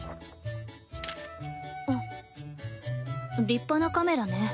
立派なカメラね。